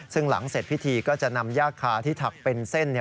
ซึ่งหลังเสร็จพิธีก็จะนำยากคาที่ถักเป็นเส้น